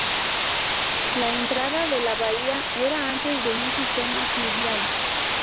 La entrada de la bahía era antes un sistema fluvial.